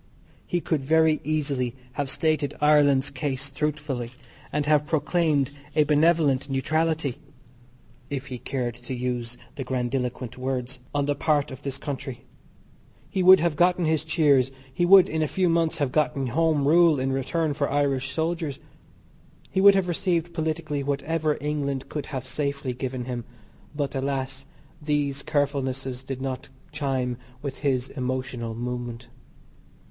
He could very easily have stated Ireland's case truthfully, and have proclaimed a benevolent neutrality (if he cared to use the grandiloquent words) on the part of this country. He would have gotten his cheers, he would in a few months have gotten Home Rule in return for Irish soldiers. He would have received politically whatever England could have safely given him. But, alas, these carefulnesses did not chime with his emotional moment.